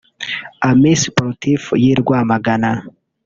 Amis Sportifs y’i Rwamagana